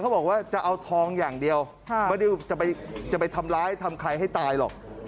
บอกว่าจะเอาทองอย่างเดียวไม่ได้จะไปทำร้ายทำใครให้ตายหรอก